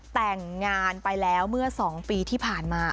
แต่งงานไปแล้วเมื่อ๒ปีที่ผ่านมา